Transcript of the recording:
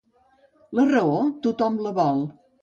La raó, tothom la vol.